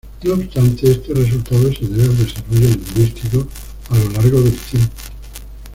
No obstante, este resultado se debe al desarrollo lingüístico a lo largo del tiempo.